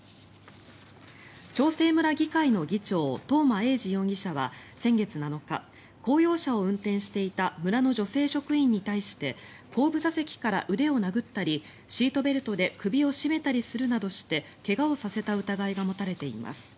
長生村議会の議長東間永次容疑者は先月７日公用車を運転していた村の女性職員に対して後部座席から腕を殴ったりシートベルトで首を絞めたりするなどして怪我をさせた疑いが持たれています。